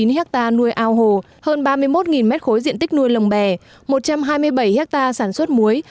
hai hai trăm năm mươi chín hectare nuôi ao hồ hơn ba mươi một m ba diện tích nuôi lồng bè một trăm hai mươi bảy hectare sản xuất muối